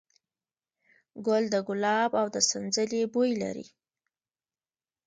ګل د ګلاب او د سنځلې بوی لري.